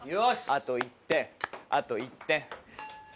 あと１点あと１点。